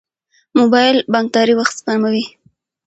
موبایل بانکداري وخت سپموي.